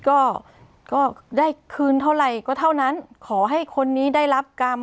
ก็ก็ได้คืนเท่าไหร่ก็เท่านั้นขอให้คนนี้ได้รับกรรม